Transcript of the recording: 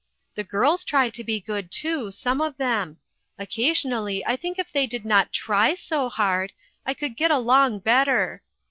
The girls try to be good, too, some of them. Occasionally I think if they did not try so hard, I could get along bet ter.